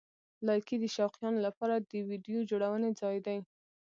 لایکي د شوقیانو لپاره د ویډیو جوړونې ځای دی.